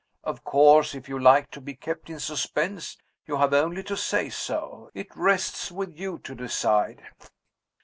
Of course, if you like to be kept in suspense, you have only to say so. It rests with you to decide."